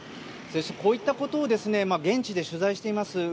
こういったことを現地で取材しています